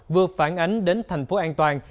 vừa phản ánh đến thành phố an toàn